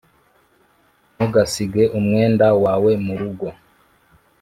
ntugasige umwenda wawe murugo